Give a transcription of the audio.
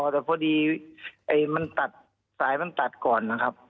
แต่พอดีสายมันตัดก่อนนะครับ